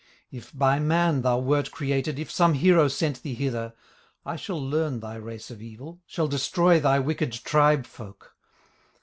If by man thou wert created, If some hero sent thee hither, I shall learn thy race of evil, Shall destroy thy wicked tribe folk.